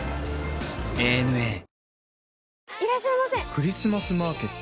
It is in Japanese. クリスマスマーケット？